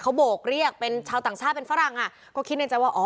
เขาโบกเรียกเป็นชาวต่างชาติเป็นฝรั่งอ่ะก็คิดในใจว่าอ๋อ